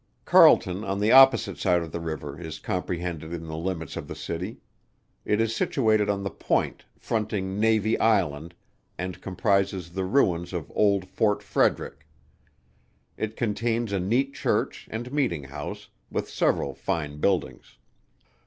Carleton on the opposite side of the river is comprehended in the limits of the City. It is situated on the point, fronting Navy Island, and comprises the ruins of old Fort Frederick. It contains a neat Church, and Meeting House, with several fine buildings.